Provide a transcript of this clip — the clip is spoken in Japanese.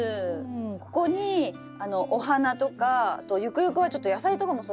ここにお花とかあとゆくゆくはちょっと野菜とかも育ててみたいなと思って。